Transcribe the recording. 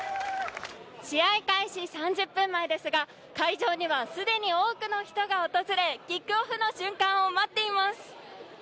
試合開始３０分前ですが会場にはすでに多くの人が訪れキックオフの瞬間を待っています。